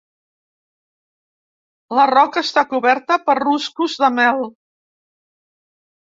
La roca està coberta per ruscos de mel.